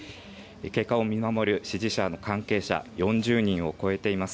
結果を見守る支持者、関係者、４０人を超えています。